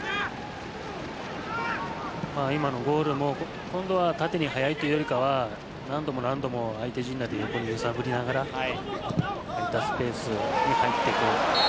今のゴールも縦に速いというよりは何度も何度も相手陣内で揺さぶりながら空いたスペースに入っていく。